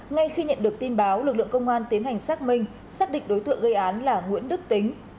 ngay khi nhận được tin báo lực lượng công an tiến hành xác minh xác định đối tượng gây án là nguyễn đức tính